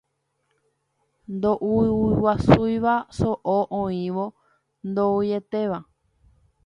Ndoʼuguasúiva soʼo oĩvoi ndoʼuietéva.